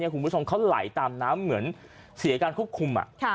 คุณผู้ชมเขาไหลตามน้ำเหมือนเสียการควบคุม